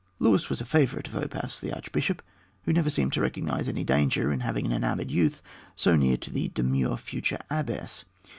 Luis was a favorite of Oppas, the archbishop, who never seemed to recognize any danger in having an enamoured youth so near to the demure future abbess.